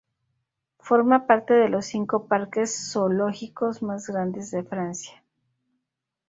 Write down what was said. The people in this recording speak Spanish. Forma parte de los cinco parques zoológicos más grandes de Francia.